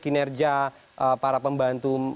kinerja para pembantu